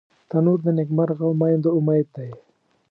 تنور د نیکمرغه میندو امید دی